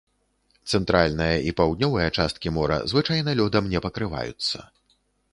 Цэнтральная і паўднёвая часткі мора звычайна лёдам не пакрываюцца.